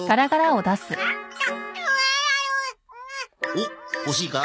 おっ欲しいか？